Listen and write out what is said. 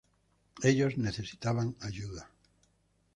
Ellos necesitaban ayuda.